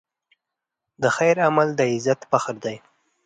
د خیر عمل د عزت فخر دی.